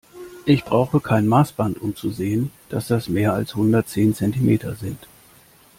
Ich brauche kein Maßband, um zu sehen, dass das mehr als hundertzehn Zentimeter sind.